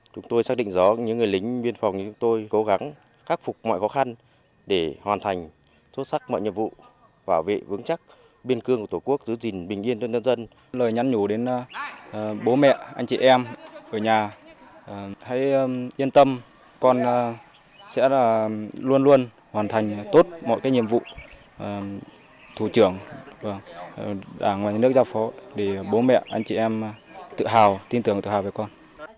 thủ trưởng đảng nhà nước giao phó bố mẹ anh chị em tự hào tin tưởng tự hào về con